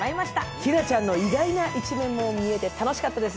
ティナちゃんの意外な一面も見れて楽しかったです。